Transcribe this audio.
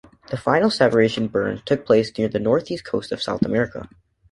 The final separation burn took place near the northeast coast of South America.